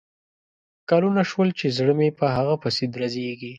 کلونه شول چې زړه مې په هغه پسې درزیږي